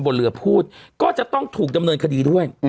บนเรือพูดก็จะต้องถูกดำเนินคดีด้วย